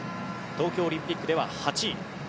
東京オリンピックでは８位。